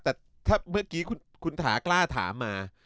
แต่ถ้าเมื่อกี้คุณถากล้าถามมา